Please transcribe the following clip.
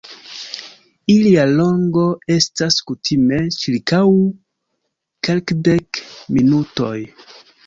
Ilia longo estas kutime ĉirkaŭ kelkdek minutoj.